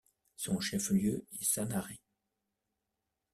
Son chef-lieu est Sanare.